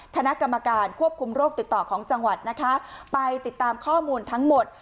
คณะกรรมการควบคุมโรคติดต่อของจังหวัดนะคะไปติดตามข้อมูลทั้งหมด